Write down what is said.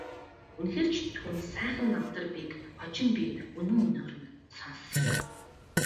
Үнэхээр ч түүнд сайхан намтар бийг хожим би үнэн мөнөөр нь сонссон юм.